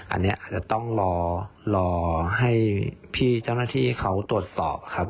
อันนี้อาจจะต้องรอให้พี่เจ้าหน้าที่เขาตรวจสอบครับ